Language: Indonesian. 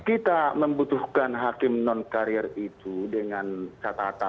kalau misalnya kita membutuhkan hakim non karir itu dengan catatan